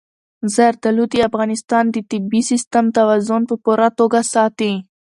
زردالو د افغانستان د طبعي سیسټم توازن په پوره توګه ساتي.